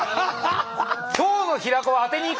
今日の平子は当てにいくよ！